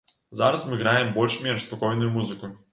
Зараз мы граем больш-менш спакойную музыку.